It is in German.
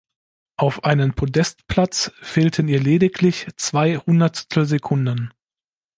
Auf einen Podestplatz fehlten ihr lediglich zwei Hundertstelsekunden.